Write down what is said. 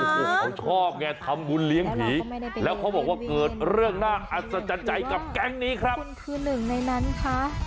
เขาชอบแง่ทำวุ้นเลี้ยงผีแล้วเขาบอกว่าเกิดเรื่องน่าอัศจรรย์ใจกับแก๊งนี้ครับ